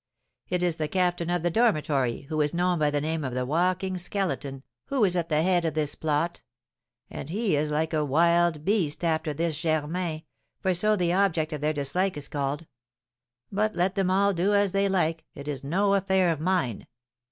It is the captain of the dormitory, who is known by the name of the Walking Skeleton, who is at the head of this plot; and he is like a wild beast after this Germain, for so the object of their dislike is called. But let them all do as they like; it is no affair of mine.